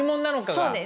そうです。